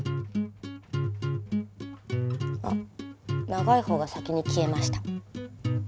長い方が先に消えました。